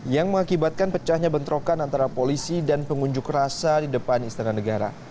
yang mengakibatkan pecahnya bentrokan antara polisi dan pengunjuk rasa di depan istana negara